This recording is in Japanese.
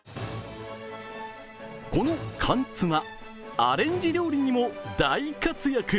この缶つま、アレンジ料理にも大活躍。